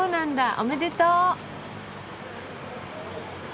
おめでとう！